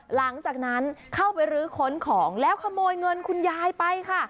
หลังจากนั้นเข้าไปรื้อค้นของแล้วขโมยเงินคุณยายไปค่ะ